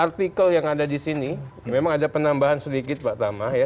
artikel yang ada di sini memang ada penambahan sedikit pak tama ya